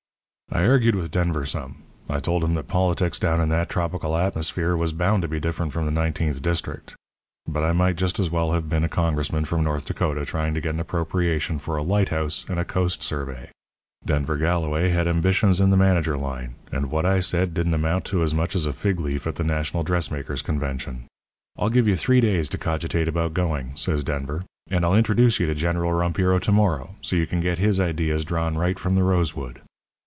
"I argued with Denver some. I told him that politics down in that tropical atmosphere was bound to be different from the nineteenth district; but I might just as well have been a Congressman from North Dakota trying to get an appropriation for a lighthouse and a coast survey. Denver Galloway had ambitions in the manager line, and what I said didn't amount to as much as a fig leaf at the National Dressmakers' Convention. 'I'll give you three days to cogitate about going,' says Denver; 'and I'll introduce you to General Rompiro to morrow, so you can get his ideas drawn right from the rose wood.'